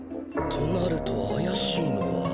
となるとあやしいのは。